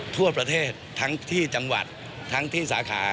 ทั่วประเทศทั้งที่จังหวัดทั้งที่สาขา